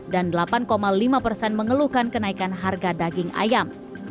dan delapan lima persen mengeluhkan kenaikan harga daging ayam